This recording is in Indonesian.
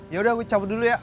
yaudah gue cabut dulu ya